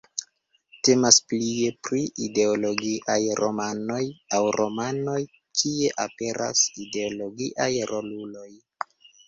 Temas plie pri ideologiaj romanoj aŭ romanoj, kie aperas ideologiaj roluloj.